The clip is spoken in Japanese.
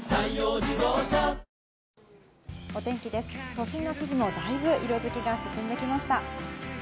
都心の木々もだいぶ色づきが進んできました。